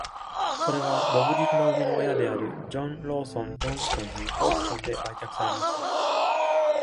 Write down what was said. それは、ボブリルの生みの親であるジョン・ローソン・ジョンストンにオークションで売却されました。